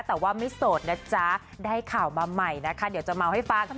แต่ว่าไม่โสดนะจ๊ะได้ข่าวมาใหม่นะคะเดี๋ยวจะเมาให้ฟัง